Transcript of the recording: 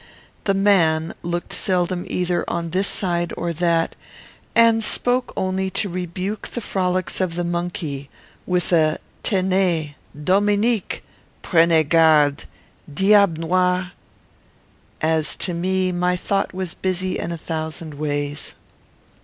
The man looked seldom either on this side or that; and spoke only to rebuke the frolics of the monkey, with a "Tenez! Dominique! Prenez garde! Diable noir!" As to me, my thought was busy in a thousand ways.